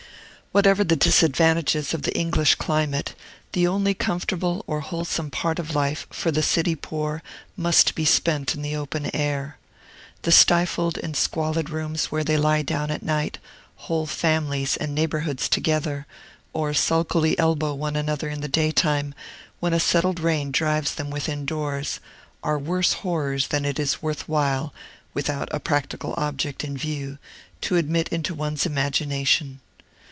Whatever the disadvantages of the English climate, the only comfortable or wholesome part of life, for the city poor, must be spent in the open air. The stifled and squalid rooms where they lie down at night, whole families and neighborhoods together, or sulkily elbow one another in the daytime, when a settled rain drives them within doors, are worse horrors than it is worth while (without a practical object in view) to admit into one's imagination.